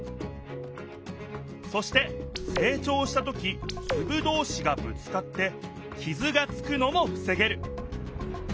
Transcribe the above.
そしてせい長した時つぶどうしがぶつかってきずがつくのもふせげる。